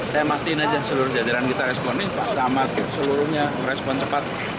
saya mastiin aja seluruh jajaran kita responnya sama seluruhnya merespon cepat